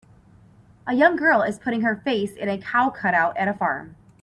A young girl is putting her face in a cow cutout at a farm.